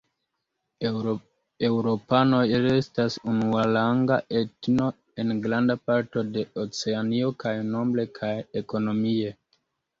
Eŭropanoj restas unuaranga etno en granda parto de Oceanio, kaj nombre kaj ekonomie.